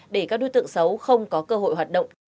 để các đối tượng xấu không có cơ hội hoạt động